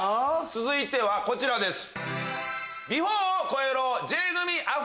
続いてはこちらです。